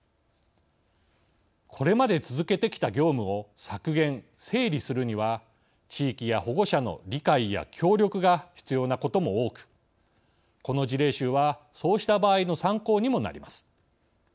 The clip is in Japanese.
これまで続けてきた業務を削減・整理するには地域や保護者の理解や協力が必要なことも多くこの事例集はそうした場合の参考にもなります。